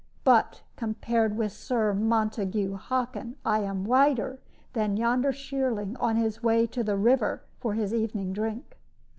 But, compared with Sir Montague Hockin, I am whiter than yonder shearling on his way to the river for his evening drink."